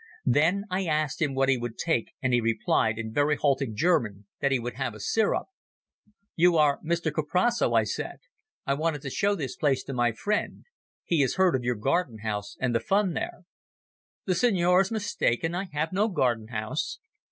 Then I asked him what he would take, and he replied, in very halting German, that he would have a sirop. "You are Mr Kuprasso," I said. "I wanted to show this place to my friend. He has heard of your garden house and the fun there." "The Signor is mistaken. I have no garden house."